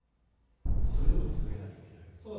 それでも続けなきゃいけないわけですよね？